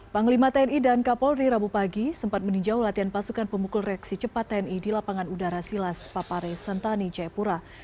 panglima tni dan kapolri rabu pagi sempat meninjau latihan pasukan pemukul reaksi cepat tni di lapangan udara silas papare sentani jayapura